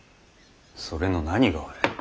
それの何が悪い。